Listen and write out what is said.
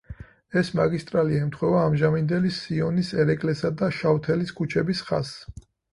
ეს მაგისტრალი ემთხვევა ამჟამინდელი სიონის, ერეკლესა და შავთელის ქუჩების ხაზს.